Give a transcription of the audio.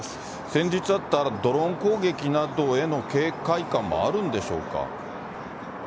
先日あったドローン攻撃などへの警戒感もあるんでしょうか。